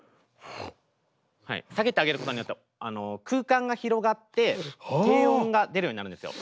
下げてあげることによって空間が広がって低音が出るようになるんですよ。